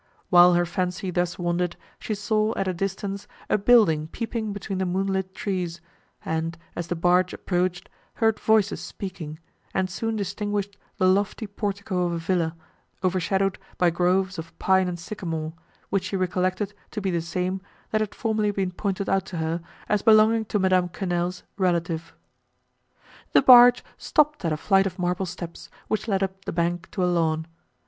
While her fancy thus wandered, she saw, at a distance, a building peeping between the moonlight trees, and, as the barge approached, heard voices speaking, and soon distinguished the lofty portico of a villa, overshadowed by groves of pine and sycamore, which she recollected to be the same, that had formerly been pointed out to her, as belonging to Madame Quesnel's relative. The barge stopped at a flight of marble steps, which led up the bank to a lawn.